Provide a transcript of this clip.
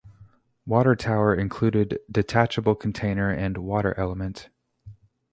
Water tower included detachable container and water element.